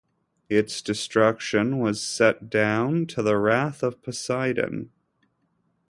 Its destruction was set down to the wrath of Poseidon.